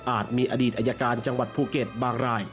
มีอดีตอายการจังหวัดภูเก็ตบางราย